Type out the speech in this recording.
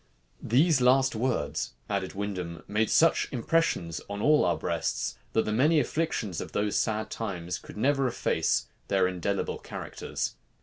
"These last words," added Windham, "made such impressions on all our breasts, that the many afflictions of these sad times could never efface their indelible characters."